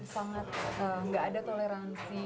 sangat gak ada toleransi